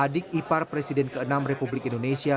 adik ipar presiden ke enam republik indonesia